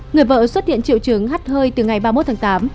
người vợ xuất hiện triệu chứng hát hơi từ ngày ba mươi một tháng tám